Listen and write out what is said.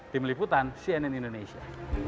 tim liputan cnn indonesia